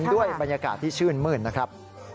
ด้วยบรรยากาศที่ชื่นมืดนะครับ